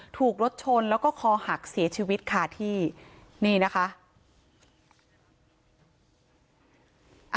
ถูกรถชนแล้วก็คอหักเสียชีวิตค่ะที่นี่นะคะ